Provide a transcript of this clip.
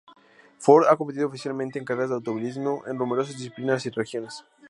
Ford ha competido oficialmente en carreras de automovilismo en numerosas disciplinas y regiones.